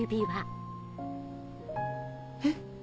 えっ？